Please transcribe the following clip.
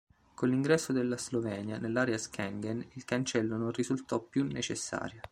Con l'ingresso della Slovenia nell'area Schengen, il cancello non risultò più necessario.